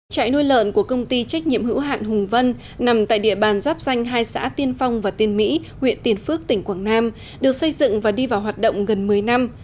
trại nuôi lợn của công ty trách nhiệm hữu hạn hùng vân nằm tại địa bàn giáp danh hai xã tiên phong và tiên mỹ huyện tiền phước tỉnh quảng nam được xây dựng và đi vào hoạt động gần một mươi năm